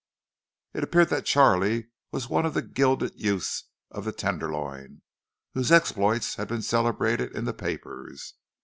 It appeared that Charlie was one of the "gilded youths" of the Tenderloin, whose exploits had been celebrated in the papers.